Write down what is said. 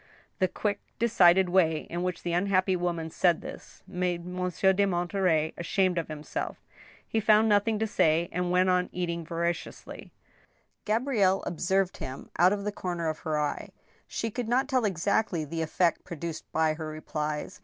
The quick, decided way in which the unhappy woman said this, made Monsieur de Monterey ashamed of himself. He found noth ing to say, and went on eating voraciously. Gabrielle observed him out of the corner of her eye. She could not tell exactly the effect produced by her replies.